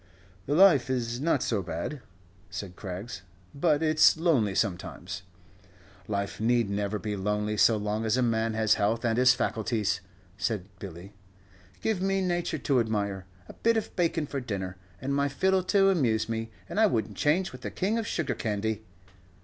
"The life is not so bad," said Craggs, "but it's lonely sometimes." "Life need never be lonely so long as a man has health and his faculties," said Billy; "give me nature to admire, a bit of baycon for dinner, and my fiddle to amuse me, and I would n't change with the King of Sugar 'Candy.'"